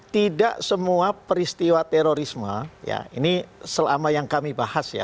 tidak semua peristiwa terorisme ya ini selama yang kami bahas ya